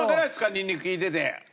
ニンニク利いてて。